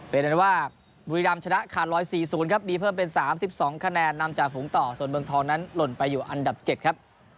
เป็นว่าบุรีรำชนะขาด๑๔๐ครับมีเพิ่มเป็น๓๒คะแนนนำจากฝูงต่อส่วนเมืองทองนั้นหล่นไปอยู่อันดับ๗ครับ